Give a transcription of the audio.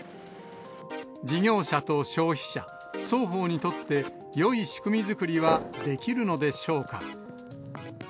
事業者と消費者、双方にとってよい仕組み作りはできるのでしょうか。